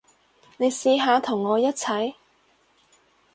你試下同我一齊